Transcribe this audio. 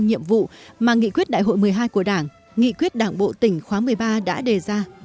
nhiệm vụ mà nghị quyết đại hội một mươi hai của đảng nghị quyết đảng bộ tỉnh khóa một mươi ba đã đề ra